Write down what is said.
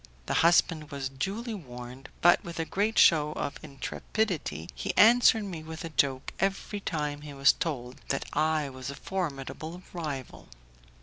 The husband was duly warned, but, with a great show of intrepidity, he answered with a joke every time he was told that I was a formidable rival.